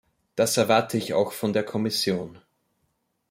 Das erwarte ich auch von der Kommission.